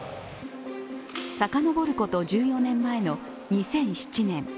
遡ること１４年前の２００７年。